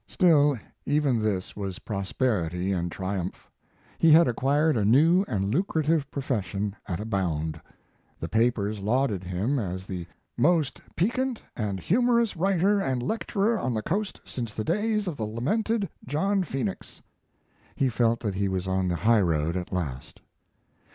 Still, even this was prosperity and triumph. He had acquired a new and lucrative profession at a bound. The papers lauded him as the "most piquant and humorous writer and lecturer on the Coast since the days of the lamented John Phoenix." He felt that he was on the highroad at last.